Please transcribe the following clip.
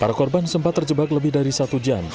para korban sempat terjebak lebih dari satu jam